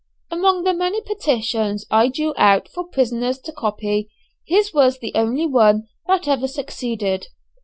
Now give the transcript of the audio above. Among the many petitions I drew out for prisoners to copy, his was the only one that ever succeeded.